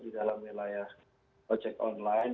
di dalam wilayah ojek online